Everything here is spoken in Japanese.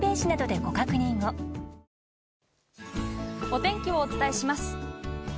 お天気をお伝えします。